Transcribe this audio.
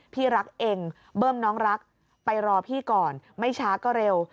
พี่รักเองเบิ้มน้องรักไปรอพี่ก่อนไม่ช้าก็เร็ว